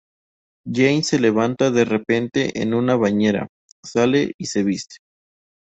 Jane se levanta de repente en una bañera, sale y se viste.